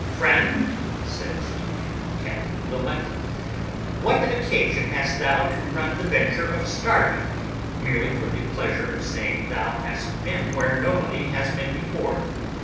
"Friend," says he to Captain Wilmot, "what occasion hast thou to run the venture of starving, merely for the pleasure of saying thou hast been where nobody has been before?